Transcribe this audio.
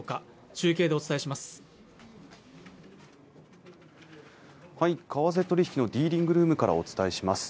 中継でお伝えします為替取引のディーリングルームからお伝えします